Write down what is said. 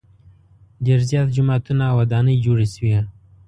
ډېر زیات جوماتونه او ودانۍ جوړې شوې.